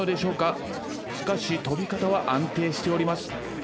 しかし飛び方は安定しております。